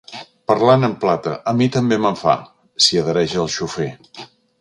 Parlant en plata, a mi també me'n fa —s'hi adhereix el xofer.